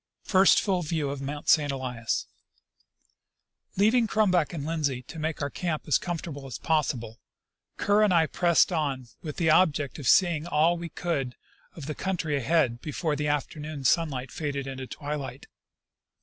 First full View of St. Elias. Leaving Crumback and Lindsley to make our camp as com fortable as possible, Kerr and I pressed on with the object of seeing all we could of the country ahead before the afternoon sunlight faded into twilight.